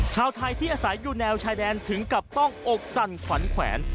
ชาวไทยที่อาศัยอยู่แนวชายแดนถึงกับต้องอกสั่นขวัญแขวน